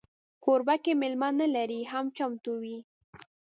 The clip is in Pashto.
کوربه که میلمه نه لري، هم چمتو وي.